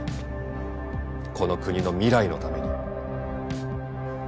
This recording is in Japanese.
この国の未来のために。